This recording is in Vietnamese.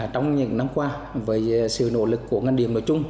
trong những năm qua với sự nỗ lực của ngân điện nội chung